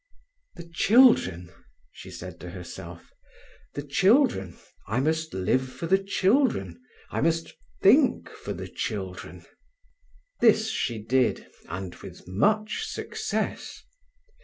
"The children!" she said to herself—"the children. I must live for the children; I must think for the children." This she did, and with much success.